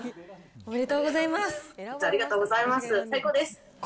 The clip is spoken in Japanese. おめでとうございます。